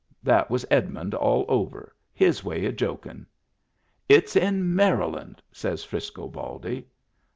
That was Edmund all over. His way o' jokin'. " It's in Maryland," says Frisco Baldy.